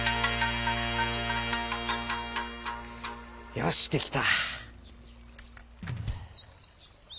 よしできた！